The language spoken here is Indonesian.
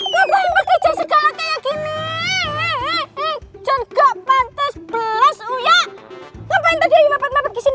pakai jasnya kini jengkel pantas belas uya